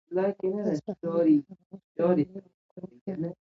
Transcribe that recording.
اصفهان په هغه وخت کې د نړۍ یو ښکلی ښار و.